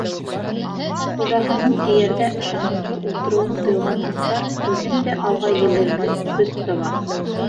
Хужаһының эйәрҙә ышаныслы ултырыуын тойған аттар үҙендә алға елерлек көс таба.